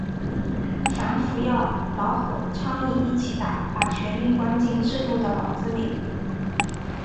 反腐要老虎、苍蝇一起打，把权力关进制度的笼子里。